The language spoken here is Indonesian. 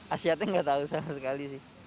asiatnya nggak tahu sama sekali sih